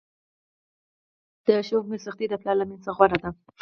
د ښوونکي سختي د پلار له میني څخه غوره ده!